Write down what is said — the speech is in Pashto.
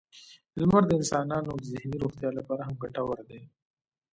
• لمر د انسانانو د ذهني روغتیا لپاره هم ګټور دی.